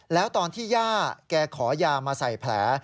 แล้วตอนที่ย่าแกขอยามาใส่แผล